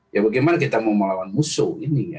ya bagaimana kita mau melawan musuh ini ya